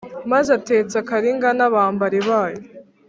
maze atetsa kalinga n’abambari bayo